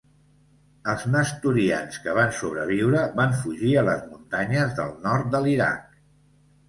Els nestorians que van sobreviure van fugir a les muntanyes del nord de l'Iraq.